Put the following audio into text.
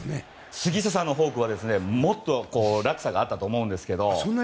杉下さんのフォークはもっと落差があったと思いますが。